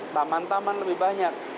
taman taman lebih banyak